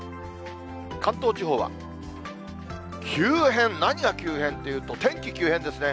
関東地方は急変、何が急変っていうと、天気急変ですね。